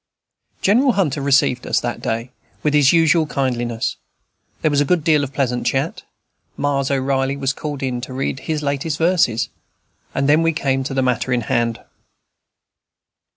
General Hunter received us, that day, with his usual kindliness; there was a good deal of pleasant chat; Miles O'Reilly was called in to read his latest verses; and then we came to the matter in hand.